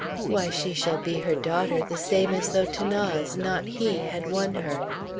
why, she shall be her daughter, the same as though 'Thanase, not he, had won her.